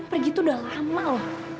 pergi itu udah lama loh